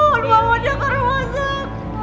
waduh aku mau diangkat rumah sakit